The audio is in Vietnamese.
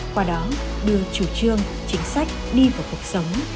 qua đó đưa chủ trương chính sách đi vào cuộc sống